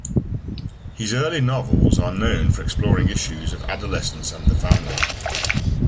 His early novels are known for exploring issues of adolescence and the family.